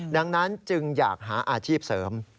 ดังนั้นจึงอยากหาอาชีพเสริม